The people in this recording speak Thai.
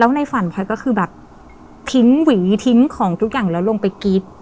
ในฝันพลอยก็คือแบบทิ้งหวีทิ้งของทุกอย่างแล้วลงไปกรี๊ด